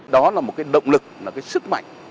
đó là một cái động lực là cái sức mạnh